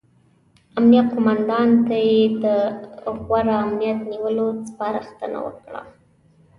امنیه قوماندان ته یې د غوره امنیت نیولو سپارښتنه وکړه.